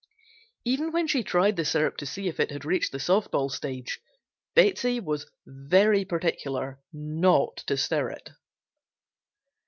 Even when she tried the syrup to see if it had reached the soft ball stage Betsey was very particular not to stir it.